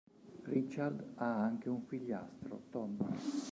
Richard ha anche un figliastro, Tom.